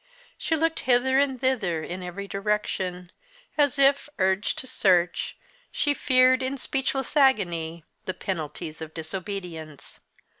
She looked hither and thither, in every direction, as if, urged to the search, she feared, in speechless agony, the penalties of disobedience.